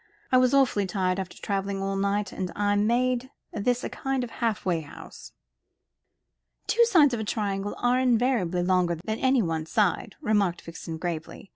I was awfully tired, after travelling all night; and I made this a kind of halfway house." "Two sides of a triangle are invariably longer than any one side," remarked Vixen, gravely.